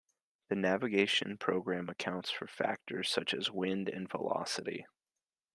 The navigation program accounts for factors such as wind and velocity.